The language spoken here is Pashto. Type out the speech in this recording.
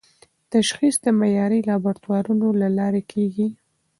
تشخیص د معیاري لابراتوارونو له لارې کېږي.